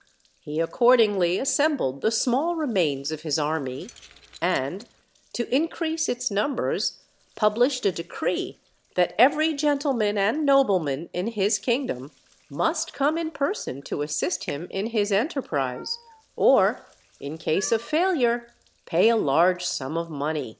He accordingly assembled the small remains of his army, and, to increase its numbers, published a decree that every gentleman and nobleman in his kingdom must come in person to assist him in his enterprise, or, in case of failure, pay a large sum of money.